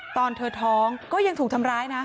ตอนเธอท้องก็ยังถูกทำร้ายนะ